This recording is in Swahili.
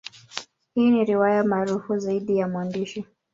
Hii ni riwaya maarufu zaidi ya mwandishi.